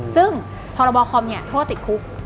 ซึ่งพคโทษติดคุก